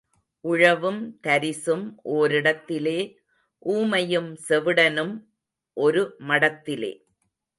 உழவும் தரிசும் ஓரிடத்திலே ஊமையும் செவிடனும் ஒரு மடத்திலே.